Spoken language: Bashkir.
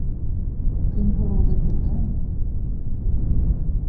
Көнһылыуҙы күрһәме!